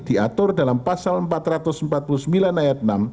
diatur dalam pasal empat ratus empat puluh sembilan ayat enam